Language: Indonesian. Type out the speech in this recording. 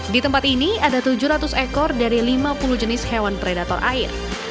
di tempat ini ada tujuh ratus ekor dari lima puluh jenis hewan predator air